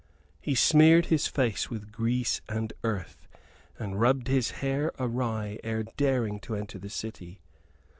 He smeared his face with grease and earth and rubbed his hair awry ere daring to enter the city.